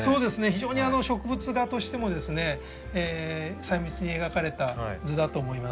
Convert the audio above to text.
非常に植物画としても細密に描かれた図だと思います。